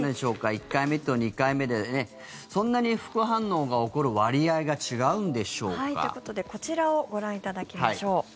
１回目と２回目でそんなに副反応が起こる割合が違うんでしょうか？ということでこちらをご覧いただきましょう。